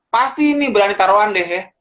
pasti nih berani taroan deh ya